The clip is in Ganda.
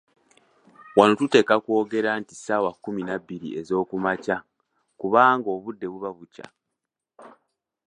Wano tuteekwa kwogera nti ssaawa kkumi nabbiri ez'okumakya, kubanga obudde buba bukya.